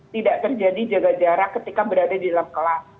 tidak terjadi jaga jarak ketika berada di dalam kelas